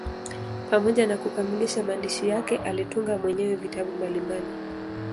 Pamoja na kukamilisha maandishi yake, alitunga mwenyewe vitabu mbalimbali.